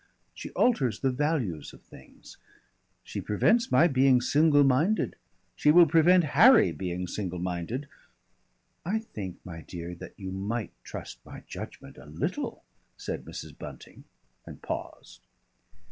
She alters the values of things. She prevents my being single minded, she will prevent Harry being single minded " "I think, my dear, that you might trust my judgment a little," said Mrs. Bunting and paused.